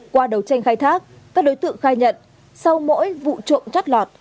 qua đầu tranh khai thác các đối tượng khai nhận sau mỗi vụ trộn rắt lọt